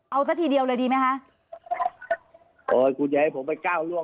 เอาสักทีเดียวเลยดีไหมฮะโอ้คุณอยากให้ผมไปก้าวง่วง